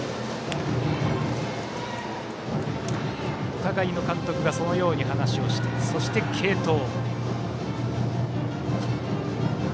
お互いの監督がそのように話をしてそして継投。